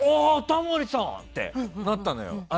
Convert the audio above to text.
タモリさんってなったのよ。